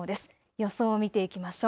予想を見ていきましょう。